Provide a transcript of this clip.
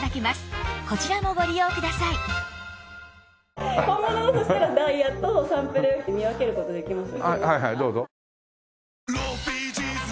また本物だとしたらダイヤとサンプルって見分ける事できます？